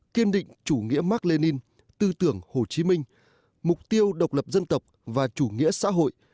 kiên định chủ nghĩa mark lenin tư tưởng hồ chí minh mục tiêu độc lập dân tộc và chủ nghĩa xã hội